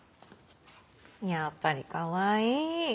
やっぱりかわいい。